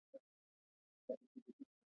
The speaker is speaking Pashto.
آمو سیند د افغانستان د ولایاتو په کچه توپیر لري.